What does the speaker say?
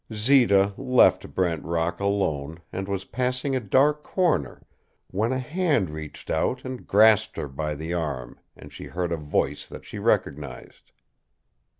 Zita left Brent Rock alone and was passing a dark corner when a hand reached out and grasped her by the arm and she heard a voice that she recognized.